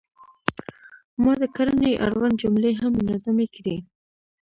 ما د کرنې اړوند جملې هم منظمې کړې.